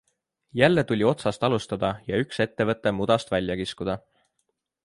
Jälle tuli otsast alustada ja üks ettevõte mudast välja kiskuda.